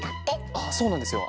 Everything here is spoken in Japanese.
ああそうなんですよ。